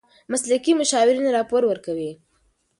مسلکي مشاورین راپور ورکوي.